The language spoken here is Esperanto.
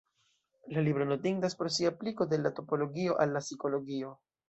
La libro notindas pro sia apliko de la topologio al la psikologio.